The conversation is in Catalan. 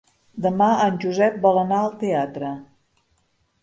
Demà en Josep vol anar al teatre.